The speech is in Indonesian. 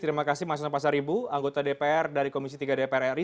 terima kasih mas uno pasar ibu anggota dpr dari komisi tiga dpr ri